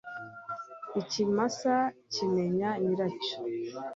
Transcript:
ikimasa kimenya nyiracyo